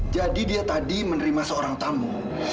jadi dia tadi menerima seorang tamu